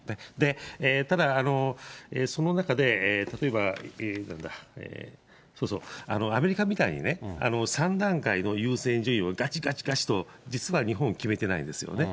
ただ、その中で、例えば、なんだ、そうそう、アメリカみたいに３段階の優先順位をがちがちがちと、実は日本、決めてないんですよね。